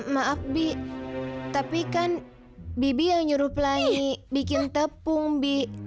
maaf bi tapi kan bibi yang nyuruh pelay bikin tepung bi